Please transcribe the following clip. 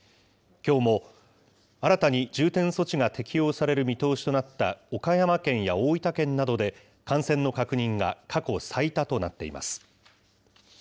きょうも新たに重点措置が適用される見通しとなった岡山県や大分県などで、感染の確認が過去最多となっています。